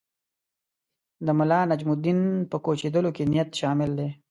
د ملانجم الدین په کوچېدلو کې نیت شامل دی.